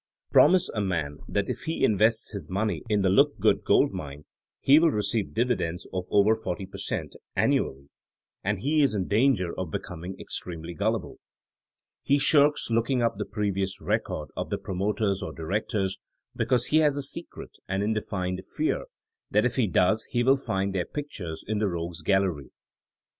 Promise a man that if he invests his money in the Lookgood Gold Mine he will receive divi dends of over 40 per cent. aonuaJlyy and he is in danger of becoming extremely gullible. He shirks looking up the previous record of the pro moters or directors because he has a secret and indefined fear that if he does he wiU find their pictures in the Eogues' Gallery.